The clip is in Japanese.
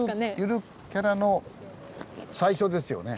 ゆるキャラの最初ですよね。